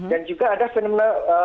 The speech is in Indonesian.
dan juga ada fenomena